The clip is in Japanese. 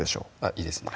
いいですね